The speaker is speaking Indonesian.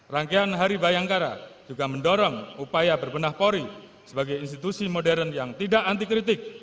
rangkaian hari bayangkara juga mendorong upaya berbenah pori sebagai institusi modern yang tidak antikritik